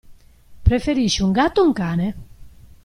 Preferisci un gatto o un cane?